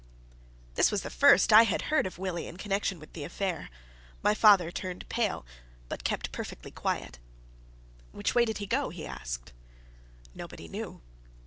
This was the first I had heard of Willie in connection with the affair. My father turned pale, but kept perfectly quiet. "Which way did he go?" he asked. Nobody knew.